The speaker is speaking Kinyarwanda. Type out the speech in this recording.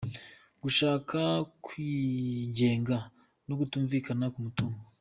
Gushaka kwigenga no kutumvikana ku mutungo :.